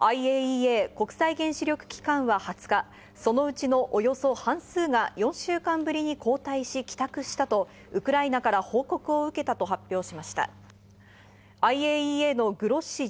ＩＡＥＡ＝国際原子力機関は２０日、そのうちのおよそ半数が４週間ぶりに交代し、帰宅したとウクライナから報告を受けたと発表しました。